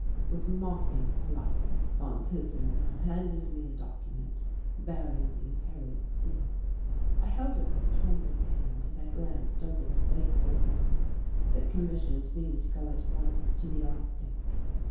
With mocking politeness von Kufner now handed me a document bearing the imperial seal. I held it with a trembling hand as I glanced over the fateful words that commissioned me to go at once to the Arctic.